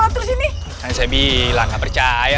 yuk siap bergerak yuk